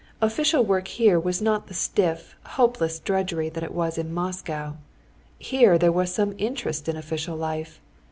Official work here was not the stiff, hopeless drudgery that it was in Moscow. Here there was some interest in official life.